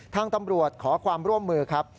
ทางตำรวจขอความร่วมมือครับ